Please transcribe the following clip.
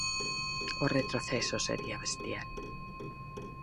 O retroceso sería bestial.